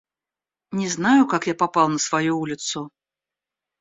Не знаю, как я попал на свою улицу.